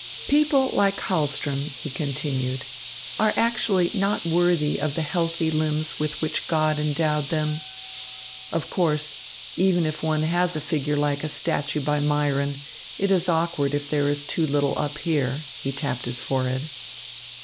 "People like Hahlström," he continued, "are actually not worthy of the healthy limbs with which God endowed them. Of course, even if one has a figure like a statue by Myron, it is awkward if there is too little up here" he tapped his forehead.